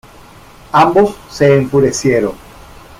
Ambos se enfurecieron.